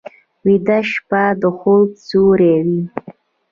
ویده شپه د خوب سیوری وي